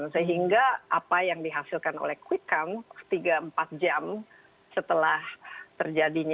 sehingga apa yang dihasilkan oleh quick count tiga empat jam setelah terjadinya